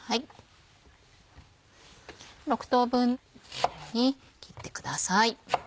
６等分に切ってください。